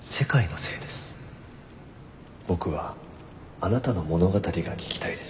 僕はあなたの物語が聞きたいです。